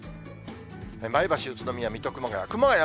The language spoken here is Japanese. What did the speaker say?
前橋、宇都宮、水戸、熊谷。